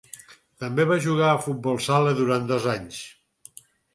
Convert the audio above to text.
També va jugar a futbol sala durant dos anys.